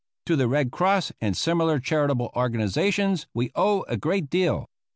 To the Red Cross and similar charitable organizations we owe a great deal.